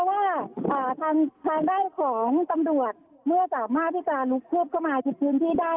ก็ว่าทางแดงของตำรวจเมื่อจำหน้าที่จะลุกเข้ามาเปียบพื้นที่ได้